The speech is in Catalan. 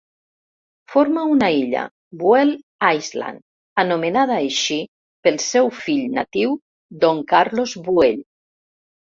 Forma una illa, Buell Island, anomenada així pel seu fill natiu, Don Carlos Buell.